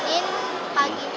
sorenya fisik lari di gond